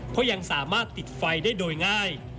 เพราะยังสามารถติดไฟได้โดยง่าย